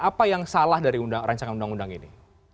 apa yang salah dari rancangan undang undang ini